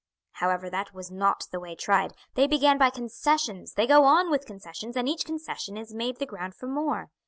"However, that was not the way tried. They began by concessions, they go on with concessions, and each concession is made the ground for more.